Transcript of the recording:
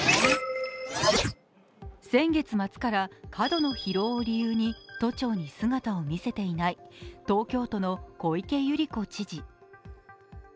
先月末から過度の疲労を理由に都庁に姿を見せていない東京都の小池百合子知事。